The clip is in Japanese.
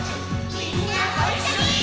「みんなごいっしょにー！